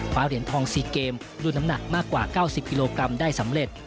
เหรียญทอง๔เกมรุ่นน้ำหนักมากกว่า๙๐กิโลกรัมได้สำเร็จ